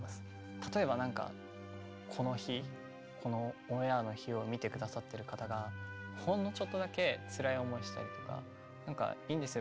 例えばなんかこの日このオンエアの日を見て下さってる方がほんのちょっとだけつらい思いしたりとかいいんですよ